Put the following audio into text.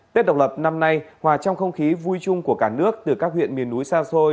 tết độc lập năm nay hòa trong không khí vui chung của cả nước từ các huyện miền núi xa xôi